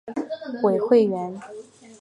为会员。